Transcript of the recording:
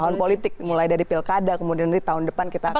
tahun politik mulai dari pilkada kemudian dari tahun depan kita akan